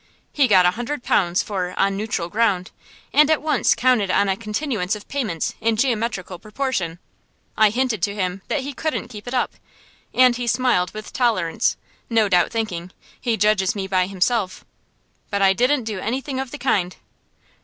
He got a hundred pounds for "On Neutral Ground," and at once counted on a continuance of payments in geometrical proportion. I hinted to him that he couldn't keep it up, and he smiled with tolerance, no doubt thinking "He judges me by himself." But I didn't do anything of the kind.